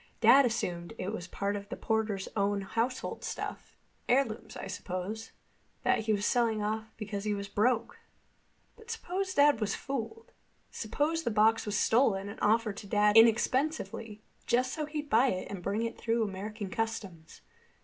"Dad assumed it was part of the porter's own household stuff—heirlooms, I suppose—that he was selling off because he was broke. But suppose Dad was fooled? Suppose the box was stolen and offered to Dad inexpensively, just so he'd buy it and bring it through American customs.